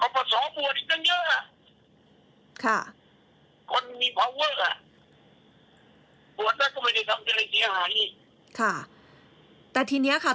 บวชก็ไม่ได้ทำเกิดอะไรเสียหายอีก